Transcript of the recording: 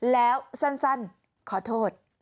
แล้วสั้นขอโทษ